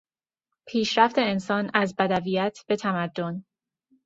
پیشرفت انسان از بدویت به تمدن